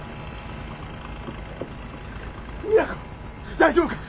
大丈夫か？